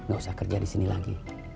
gak usah kerja disini lagi